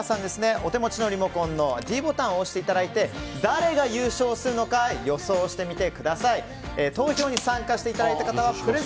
お手持ちのリモコンのｄボタンを押していただいて誰が優勝するのか新「グリーンズフリー」きたきた！